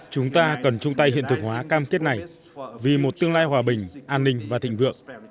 chúng ta cần chung tay hiện thực hóa cam kết này vì một tương lai hòa bình an ninh và thịnh vượng